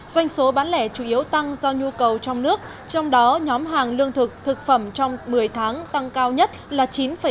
doanh số bán lẻ chủ yếu tăng do nhu cầu trong nước trong đó nhóm hàng lương thực thực phẩm trong một mươi tháng tăng cao nhất là chín ba mươi